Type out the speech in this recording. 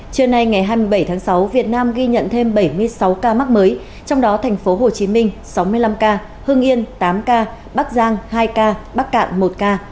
trưa nay ngày hai mươi bảy tháng sáu việt nam ghi nhận thêm bảy mươi sáu ca mắc mới trong đó thành phố hồ chí minh sáu mươi năm ca hương yên tám ca bắc giang hai ca bắc cạn một ca